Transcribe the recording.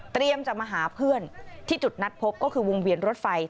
จะมาหาเพื่อนที่จุดนัดพบก็คือวงเวียนรถไฟ